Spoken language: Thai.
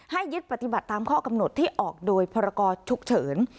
ยึดปฏิบัติตามข้อกำหนดที่ออกโดยพรกรฉุกเฉิน